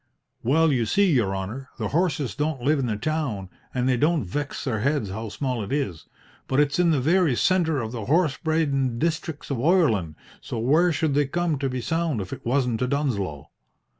"Well, you see, your honour, the horses don't live in the town, an' they don't vex their heads how small it is. But it's in the very centre of the horse bradin' districts of Oireland, so where should they come to be sould if it wasn't to Dunsloe?"